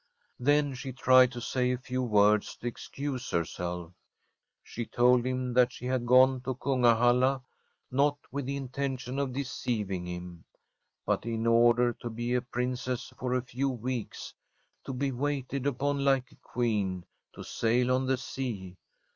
Then she tried to say a few words to excuse herself. She told him that she had gone to Kungahalla not with the intention of deceiving [213I from a SfTEDlSH HOMESTEAD him, but in order to be a Princess for a few weeks, to be waited upon like a Queen, to sail on the sea.